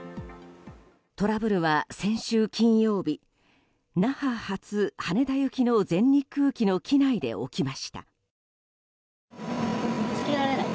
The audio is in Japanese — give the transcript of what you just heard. トラブルは先週金曜日那覇発羽田行きの全日空機の機内で起きました。